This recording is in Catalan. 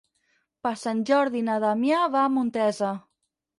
Per Sant Jordi na Damià va a Montesa.